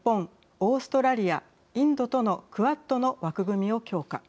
オーストラリアインドとのクアッドの枠組みを強化。